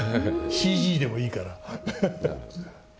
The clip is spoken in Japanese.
ＣＧでもいいから。